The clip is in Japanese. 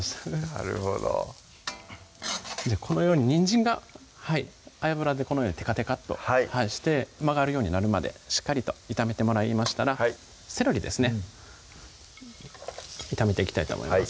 なるほどこのようににんじんが油でこのようにテカテカッとして曲がるようになるまでしっかりと炒めてもらいましたらセロリですね炒めていきたいと思います